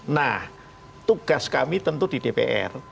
nah tugas kami tentu di dpr